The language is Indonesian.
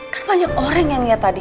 kan banyak orang yang lihat tadi